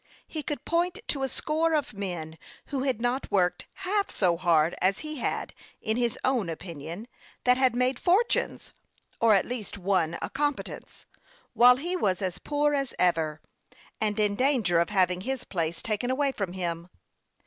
He could point to a score of men who had not worked half so hard as he had, in his own opinion, that had made fortunes, or at least won a competence, while he was as poor as ever, and in danger of having his place taken away from him.